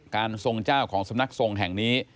ทรงเจ้าของสำนักทรงแห่งนี้